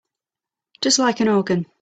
Just like an organ.